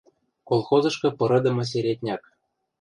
Колхозышкы пырыдымы середняк.